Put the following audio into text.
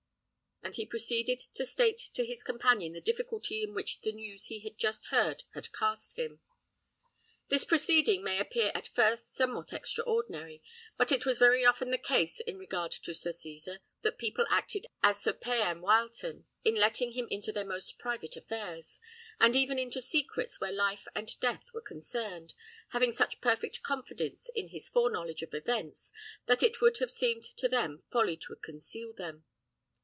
and he proceeded to state to his companion the difficulty into which the news he had just heard had cast him. This proceeding may appear at first somewhat extraordinary, but it was very often the case in regard to Sir Cesar, that people acted as Sir Payan Wileton, in letting him into their most private affairs, and even into secrets where life and death were concerned, having such perfect confidence in his foreknowledge of events that it would have seemed to them folly to conceal them.